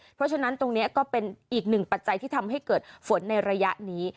เพราะฉะนั้นตรงนี้ก็เป็นอีกหนึ่งปัจจัยที่ทำให้เกิดฝนในระยะนี้